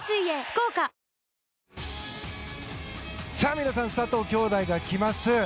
皆さん佐藤姉弟が来ます。